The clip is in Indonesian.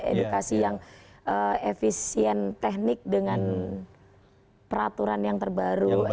edukasi yang efisien teknik dengan peraturan yang terbaru